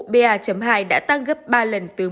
ba hai đã tăng gấp ba lần từ một mươi